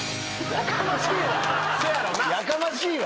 やかましいわ。